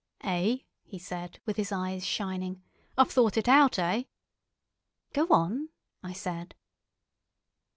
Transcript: "Eh!" he said, with his eyes shining. "I've thought it out, eh?" "Go on," I said.